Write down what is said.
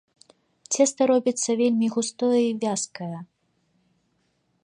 Цеста робіцца вельмі густое й вязкае.